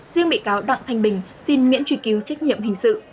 riêng bị cáo đặng thanh bình xin miễn truy cứu trách nhiệm hình sự